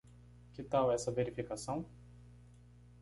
Que tal essa verificação?